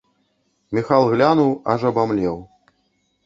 Міхал глянуў, аж абамлеў.